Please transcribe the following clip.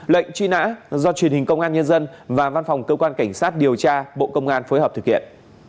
lệnh truy nã do truyền hình công an nhân dân và văn phòng cơ quan cảnh sát điều tra bộ công an phối hợp thực hiện